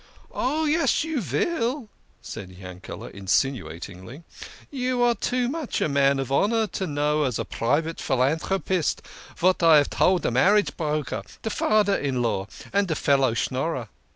" Oh, yes, you vill," said Yankele" insinu atingly. " You are too much a man of honour to know as a private philantropist vat I have told de marriage broker, de fader in law and de fellow Schnorrer.